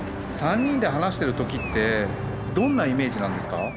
３人で話してる時ってどんなイメージなんですか？